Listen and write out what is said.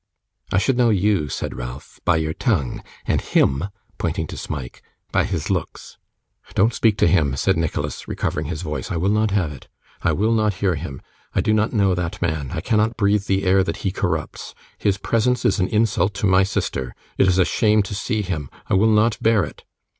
'I should know YOU,' said Ralph, 'by your tongue; and HIM' (pointing to Smike) 'by his looks.' 'Don't speak to him,' said Nicholas, recovering his voice. 'I will not have it. I will not hear him. I do not know that man. I cannot breathe the air that he corrupts. His presence is an insult to my sister. It is shame to see him. I will not bear it.